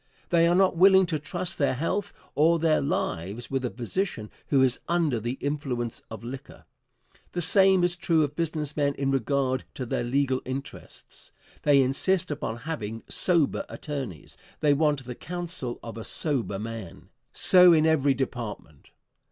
They are not willing to trust their health or their lives with a physician who is under the influence of liquor. The same is true of business men in regard to their legal interests. They insist upon having sober attorneys; they want the counsel of a sober man. So in every department.